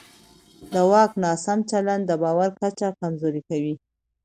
د واک ناسم چلند د باور کچه کمزوری کوي